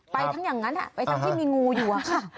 ไปทั้งอย่างนั้นไปทั้งที่มีงูอยู่อะค่ะ